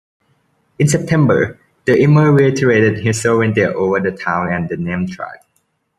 In September, the emir reiterated his sovereignty over the town and the Naim tribe.